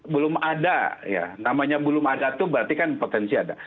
belum ada ya namanya belum ada itu berarti kan potensi ada